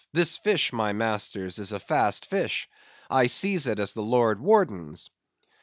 this fish, my masters, is a Fast Fish. I seize it as the Lord Warden's."